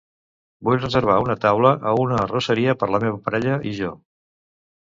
Vull reservar una taula a una arrosseria per la meva parella i jo.